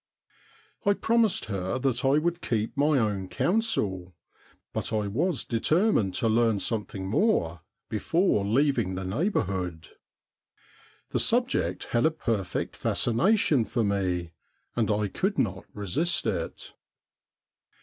I promised her that I would keep my own counsel, but I was determined to learn something more before leaving the neighbourhood. The subject had a perfect fascination for me, and I could not resist it.